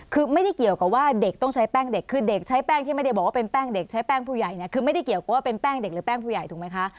คือไม่ได้เกี่ยวกับว่าเด็กต้องใช้แป้งเด็กคือเด็กใช้แป้งที่ไม่ได้บอกว่าเป็นแป้งเด็กใช้แป้งผู้ใหญ่เนี่ยคือไม่ได้เกี่ยวกับว่าเป็นแป้งเด็กหรือแป้งผู้ใหญ่ถูกไหมคะ